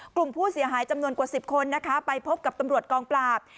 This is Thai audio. กลุ่มผู้เสียหายจำนวนกว่า๑๐คนนะคะไปพบกับตำรวจกองปราบ